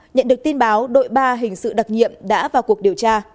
nhận được tin báo đội ba hình sự đặc nhiệm đã vào cuộc điều tra